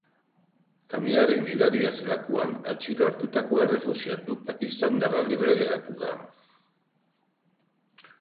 Kamioiaren gidaria zelakoan, atxilo hartutako errefuxiatu pakistandarra libre geratu da.